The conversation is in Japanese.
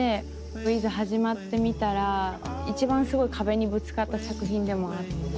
いざ始まってみたら一番すごい壁にぶつかった作品でもあるんで。